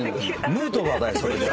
ヌートバーだよそれじゃ。